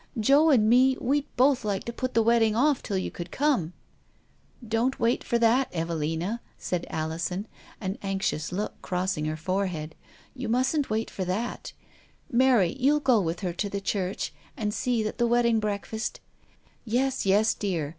Joe and me, we'd both like to put the wedding off till you could come "" Don't wait for that, Evelina," said Alison, an anxious look crossing her forehead ;" you mustn't wait for that, Mary. You'll go with her to the church, and see that the wedding breakfast " "Yes, yes, dear.